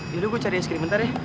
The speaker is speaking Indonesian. yaudah gue cari es krim bentar ya